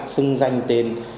xưng danh tên